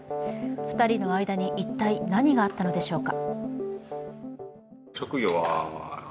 ２人の間に一体何があったのでしょうか。